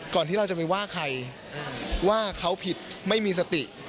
ที่เราจะไปว่าใครว่าเขาผิดไม่มีสติ